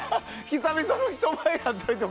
久々の人前だったりとか？